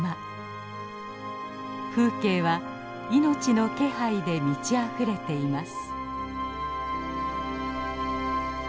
風景は命の気配で満ちあふれています。